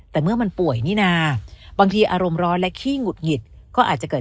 แต่เมื่อมันป่วยนี่นาบางทีอารมณ์ร้อนและขี้หงุดหงิดก็อาจจะเกิด